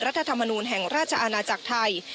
ธรรมนูลแห่งราชอาณาจักรไทย